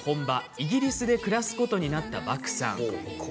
イギリスで暮らすことになったバクさん。